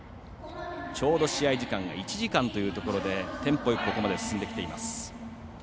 ちょうど試合時間が１時間というところでテンポよくここまで進んできています。